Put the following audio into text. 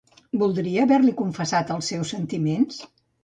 Voldria haver-li confessat els seus sentiments?